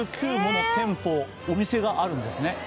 お店があるんですね